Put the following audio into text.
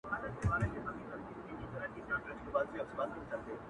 د شپې نه وروسته بيا سهار وچاته څه وركوي؛